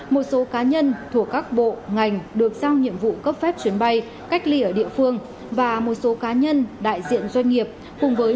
một số cá nhân thuộc các bộ ngành được giao nhiệm vụ cấp phép chuyến bay cách ly ở địa phương và một số cá nhân đại diện doanh nghiệp